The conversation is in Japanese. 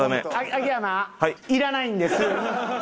秋山いらないんです。